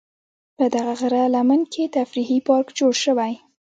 په دغه غره لمن کې تفریحي پارک جوړ شوی.